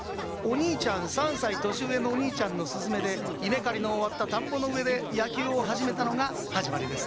３歳年上のお兄ちゃんの勧めで稲刈りの終わった田んぼの上で野球を始めたのが始まりです。